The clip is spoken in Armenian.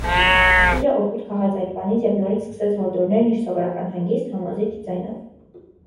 Քույրը օգուտ քաղեց այդ բանից և նորից սկսեց հորդորներն իր սովորական հանգիստ, համոզիչ ձայնով.